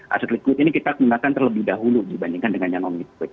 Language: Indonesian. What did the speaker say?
aset liquid ini kita gunakan terlebih dahulu dibandingkan dengan yang omik